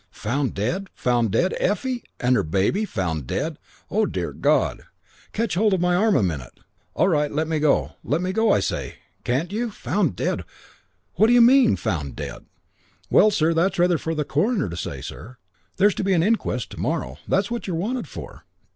"Found dead? Found dead? Effie? And her baby? Found dead? Oh, dear God.... Catch hold of my arm a minute. All right, let me go. Let me go, I say. Can't you? Found dead? What d'you mean, found dead?" "Well, sir, that's rather for the coroner to say, sir. There's to be an inquest to morrow. That's what you're wanted for."